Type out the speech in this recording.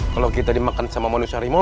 kalau kita dimakan sama manusia harimau